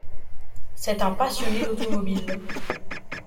C'est un passionné d'automobile.